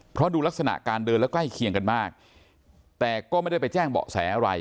เพราะดูลักษณะการเดินแล้วใกล้เคียงกันมากแต่ก็ไม่ได้ไปแจ้งเบาะแสอะไร